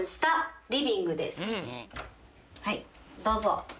はいどうぞ。